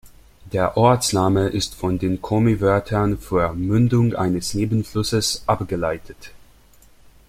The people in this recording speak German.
Der Ortsname ist von den Komi-Wörtern für "Mündung eines Nebenflusses" abgeleitet.